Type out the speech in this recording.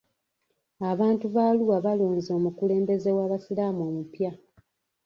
Abantu b' Arua balonze omukulembeze w'abasiraamu omupya.